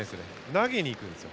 投げに行くんですよ。